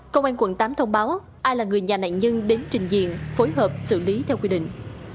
công an quận tám thông báo ai là người nhà nạn nhân đến trình diện phối hợp xử lý theo quy định